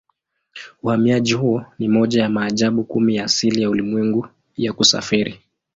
Uhamiaji huo ni moja ya maajabu kumi ya asili ya ulimwengu ya kusafiri.